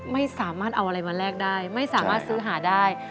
ไม่สามารถเอาอะไรมาแลกได้ไม่สามารถซื้อหาได้